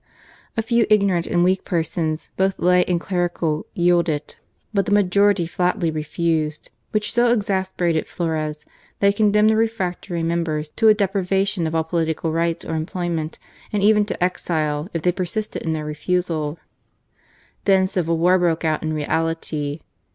A few ignorant and weak persons, both lay and clerical, yielded : but the majority flatly refused, which so exasperated Flores that he condemned the refractory members to a deprivation of all political rights or employment and €ven to exile, if they persisted in their refusal. Then civil war broke out in reality.